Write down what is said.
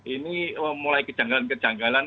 ini mulai kejanggalan kejanggalan